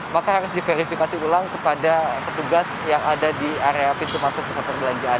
maka harus diverifikasi ulang kepada petugas yang ada di area pintu masuk pusat perbelanjaan